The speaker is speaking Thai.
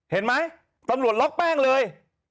เห็นไหมตำรวจล็อกแป้งเลย